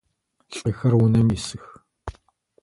Лӏыхэр унэм исых.